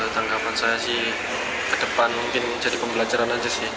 tanggapan saya sih ke depan mungkin jadi pembelajaran